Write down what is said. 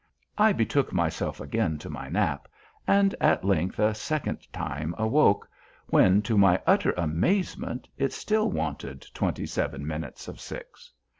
I betook myself again to my nap, and at length a second time awoke, when, to my utter amazement, it still wanted twenty seven minutes of six.